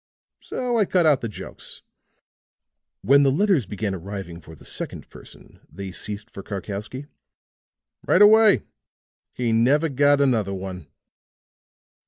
So I cut out the jokes." "When the letters began arriving for the second person they ceased for Karkowsky?" "Right away. He never got another one."